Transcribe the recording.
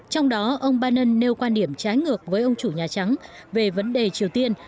trong đó ông biden nêu quan điểm trái ngược với ông chủ nhà trắng về vấn đề triều tiên